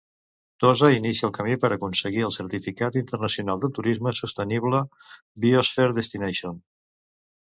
Tossa inicia el camí per aconseguir el certificat internacional de turisme sostenible 'Biosphere Destination'